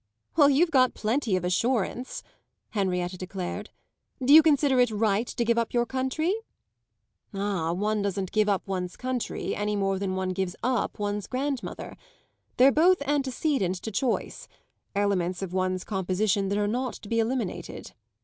"Well, you've got plenty of assurance," Henrietta declared. "Do you consider it right to give up your country?" "Ah, one doesn't give up one's country any more than one gives up one's grandmother. They're both antecedent to choice elements of one's composition that are not to be eliminated."